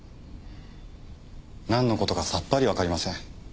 なんの事かさっぱりわかりません。